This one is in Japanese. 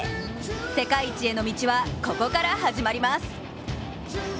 世界一への道は、ここから始まります。